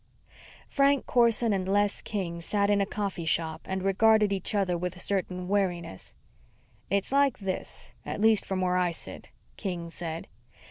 Frank Corson and Les King sat in a coffee shop and regarded each other with a certain wariness. "It's like this, at least from where I sit," King said.